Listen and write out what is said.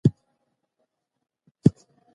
ورزش د ځوانانو پر پرمختګ اغېز لري.